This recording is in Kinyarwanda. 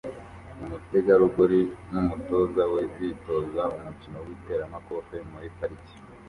Umutegarugori numutoza we bitoza umukino w'iteramakofe muri parike